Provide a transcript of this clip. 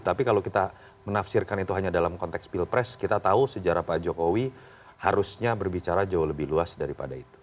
tapi kalau kita menafsirkan itu hanya dalam konteks pilpres kita tahu sejarah pak jokowi harusnya berbicara jauh lebih luas daripada itu